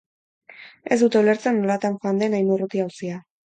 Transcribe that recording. Ez dute ulertzen nolatan joan den hain urruti auzia.